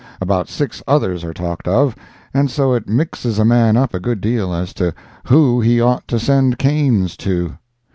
About six others are talked of, and so it mixes a man up a good deal as to who he ought to send canes to.